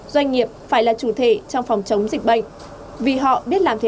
doanh nghiệp phải là chủ thể